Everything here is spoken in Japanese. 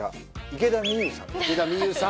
池田美優さん